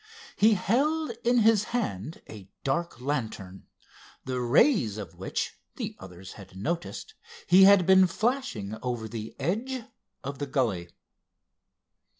He held in his hand a dark lantern, the rays of which, the others had noticed, he had been flashing over the edge of the gully.